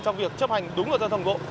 trong việc chấp hành đúng luật giao thông bộ